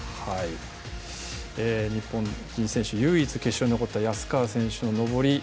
日本人選手、唯一決勝に残った安川選手の登り